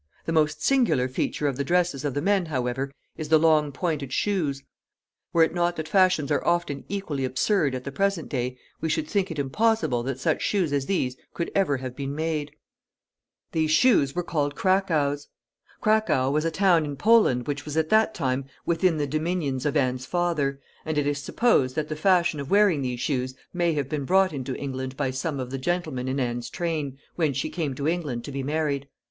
The most singular feature of the dresses of the men, however, is the long pointed shoes. Were it not that fashions are often equally absurd at the present day, we should think it impossible that such shoes as these could ever have been made. [Illustration: MALE COSTUME IN THE TIME OF RICHARD II.] [Illustration: FEMALE COSTUME IN THE TIME OF RICHARD II.] These shoes were called Cracows. Cracow was a town in Poland which was at that time within the dominions of Anne's father, and it is supposed that the fashion of wearing these shoes may have been brought into England by some of the gentlemen in Anne's train, when she came to England to be married.